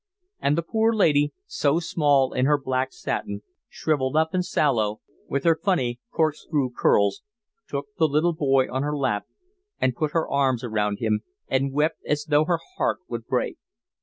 And the poor lady, so small in her black satin, shrivelled up and sallow, with her funny corkscrew curls, took the little boy on her lap and put her arms around him and wept as though her heart would break.